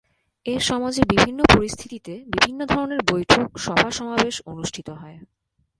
এ সমাজে বিভিন্ন পরিস্থিতিতে বিভিন্ন ধরনের বৈঠক, সভা সমাবেশ অনুষ্ঠিত হয়।